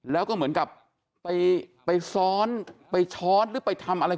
แล้วก็เหมือนกับไปซ้อนไปช้อนหรือไปทำอะไร